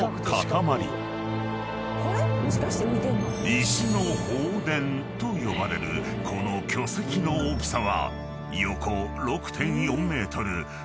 ［石の宝殿と呼ばれるこの巨石の大きさは］